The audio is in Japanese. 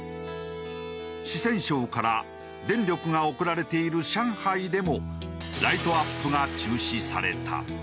四川省から電力が送られている上海でもライトアップが中止された。